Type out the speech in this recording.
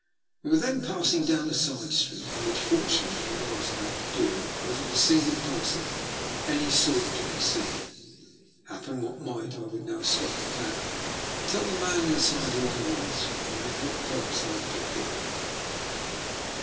We were then passing down a side street, in which — fortunately for what I was about to do — there was not a single person of any sort to be seen. Happen what might, I would now stop the cab and tell the man inside who I was and with what purpose I had picked him up.